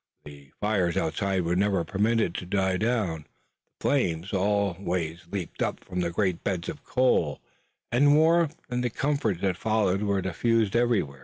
The fires outside were never permitted to die down, the flames always leaped up from great beds of coals, and warmth and the comforts that follow were diffused everywhere.